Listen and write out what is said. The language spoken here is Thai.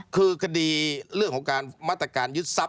คือคดีเรื่องของการมาตรการยึดทรัพย